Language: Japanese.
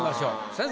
先生。